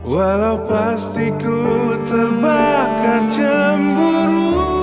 walau pasti ku terbakar jemburu